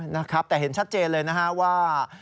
นะครับแต่เห็นชัดเจนเลยนะฮะว่า